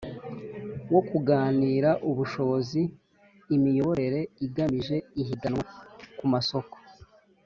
Wo kunganira ubushobozi imiyoborere igamije ihiganwa ku masoko